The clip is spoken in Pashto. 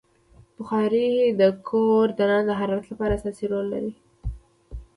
بخاري د کور دننه د حرارت لپاره اساسي رول لري.